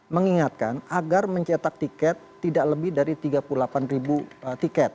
mengingatkan agar mencetak tiket tidak lebih dari tiga puluh delapan ribu tiket